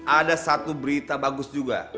ada satu berita bagus juga